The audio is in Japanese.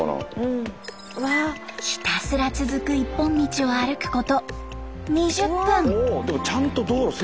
ひたすら続く一本道を歩くこと２０分。